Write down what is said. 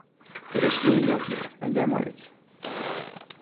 Der is gjin jild mear en dêrmei út.